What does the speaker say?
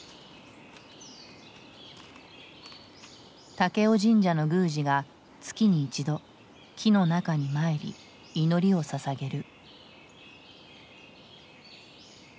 武雄神社の宮司が月に一度木の中に参り祈りをささげる。